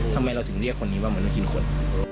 ทำไมเราถึงเรียกคนนี้ว่าเหมือนกินคน